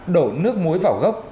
đổ nước muối vào gốc